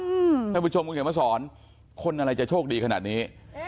ท่านผู้ชมคุณเขียนมาสอนคนอะไรจะโชคดีขนาดนี้